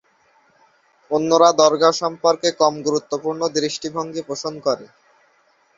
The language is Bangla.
অন্যরা দরগাহ সম্পর্কে কম গুরুত্বপূর্ণ দৃষ্টিভঙ্গি পোষণ করে।